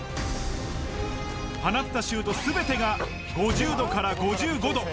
放ったシュートすべてが５０度から５５度。